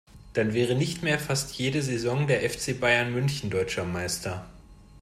Dann wäre nicht mehr fast jede Saison der FC Bayern München deutscher Meister.